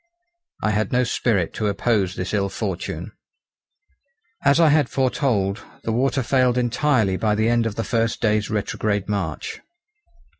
I had no spirit to oppose this ill fortune. As I had foretold, the water failed entirely by the end of the first day's retrograde march.